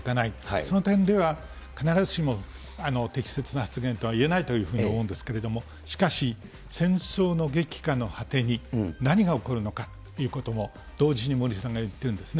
その点では、必ずしも適切な発言とはいえないというふうに思うんですけれども、しかし、戦争の激化の果てに何が起こるのかということも、同時に森さんが言っているんですね。